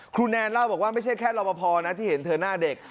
แนนเล่าบอกว่าไม่ใช่แค่รอบพอนะที่เห็นเธอหน้าเด็ก